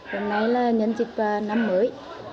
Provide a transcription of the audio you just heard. hôm nay là nhân dịch năm mới